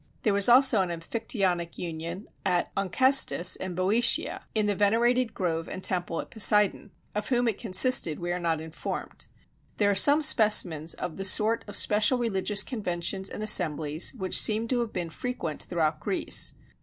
There was also an Amphictyonic union at Onchestus in Boeotia, in the venerated grove and temple at Poseidon: of whom it consisted we are not informed. There are some specimens of the sort of special religious conventions and assemblies which seem to have been frequent throughout Greece.